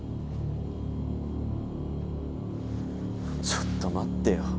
ちょっと待ってよ。